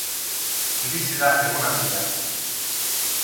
Iritsi da egun handia.